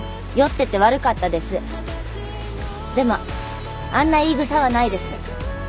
でもあんな言い草はないです。